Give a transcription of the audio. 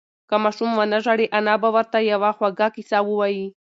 که ماشوم ونه ژاړي، انا به ورته یوه خوږه قصه ووایي.